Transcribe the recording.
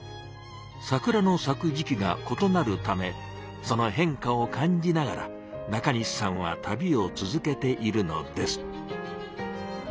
桜の咲く時期がことなるためその変化を感じながら中西さんは旅を続けているのです。